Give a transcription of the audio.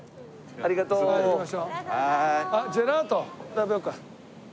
ありがとうございます。